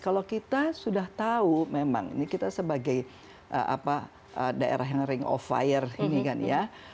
kalau kita sudah tahu memang ini kita sebagai daerah yang ring of fire ini kan ya